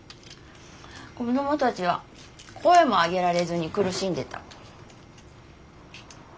子供たちは声も上げられずに苦しんでた。